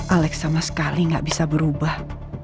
alex sama sekali gak bisa berubah